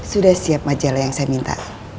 sudah siap majalah yang saya minta